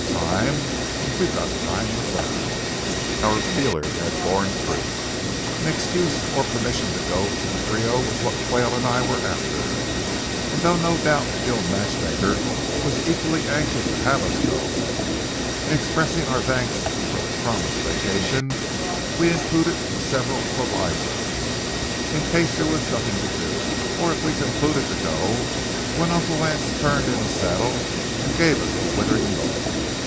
Time?—we've got time to burn." Our feeler had borne fruit. An excuse or permission to go to the Frio was what Quayle and I were after, though no doubt the old matchmaker was equally anxious to have us go. In expressing our thanks for the promised vacation, we included several provisos—in case there was nothing to do, or if we concluded to go—when Uncle Lance turned in his saddle and gave us a withering look.